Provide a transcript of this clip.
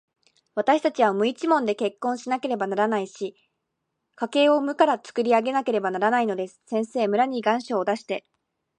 わたしたちは無一文で結婚しなければならないし、家計を無からつくり上げなければならないのです。先生、村に願書を出して、